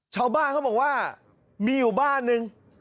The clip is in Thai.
ชาวบ้านเขาบอกว่ามีอยู่บ้านนึง